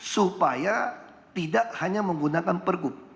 supaya tidak hanya menggunakan pergub